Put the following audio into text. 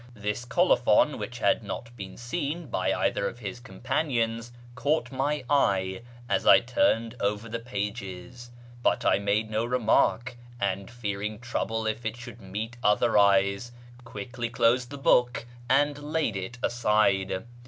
This colophon, which had not been seen by either of his companions, caught my eye as I turned over the pages ; but I made no remark, and, fearing trouble if it should meet other eyes, quickly closed the book and laid it aside.